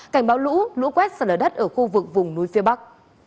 cảnh báo lũ lũ quét sạt lở đất ở khu vực vùng núi phía bắc